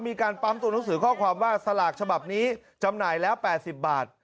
มีการปั๊มตัวหนังสือข้อความว่าสลากฉบับนี้จำหน่ายแล้ว๘๐บาท